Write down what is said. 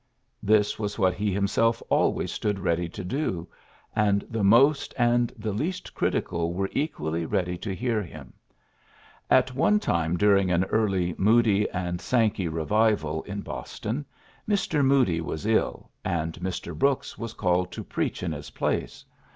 '' This was what he himself always stood ready to do, and the most and the least critical were equally ready to hear him. At one time during an early '^ Moody and Sankey revivaP' in Boston, Mr. Moody was ill, and Mr. Brooks was asked to preach in his place.